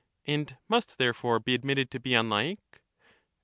And must therefore be admitted to be unlike